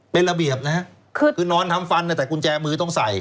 เป็นระเบียบนะฮะคือนอนทำฟันแต่กุญแจมือต้องใส่